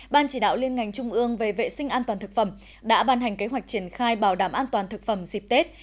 ban chỉ đạo liên ngành trung ương về vệ sinh an toàn thực phẩm đã ban hành kế hoạch triển khai bảo đảm an toàn thực phẩm dịp tết